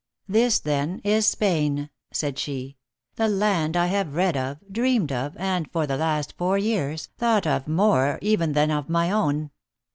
" This, then, is Spain," said she ;" the land I have read of, dreamed of, and for the last four years, thought of more even than of my own."